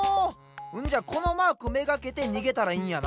んじゃこのマークめがけてにげたらいいんやな？